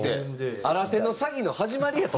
新手の詐欺の始まりやと。